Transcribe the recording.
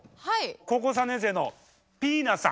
高校３年生のぴぃなさん！